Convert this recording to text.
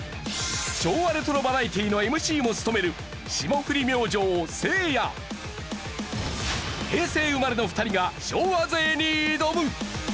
昭和レトロバラエティのＭＣも務める平成生まれの２人が昭和勢に挑む！